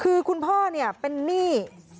คือคุณพ่อเนี่ยเป็นหนี้